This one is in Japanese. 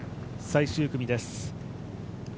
最終組です。